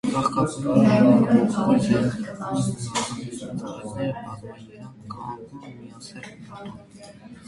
Ծաղկաբույլը միայնակ ողկույզ է կամ հուրան, ծաղիկները՝ բազմերանգ, անկանոն, միասեռ, միատուն։